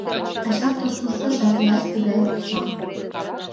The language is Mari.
Ачан тошто ужгажат лач тыгаяк тӱсан.